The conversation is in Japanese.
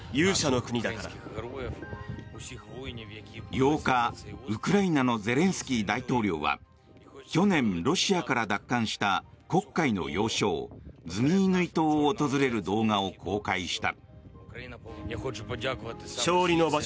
８日、ウクライナのゼレンスキー大統領は去年、ロシアから奪還した黒海の要衝ズミイヌイ島を訪れる動画を公開した。